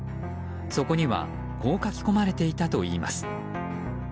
そこにはこう書き込まれていたといいます。